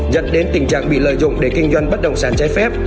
dẫn đến tình trạng bị lợi dụng để kinh doanh bất động sản trái phép